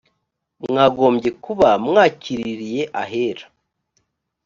mwagombye kuba mwakiririye ahera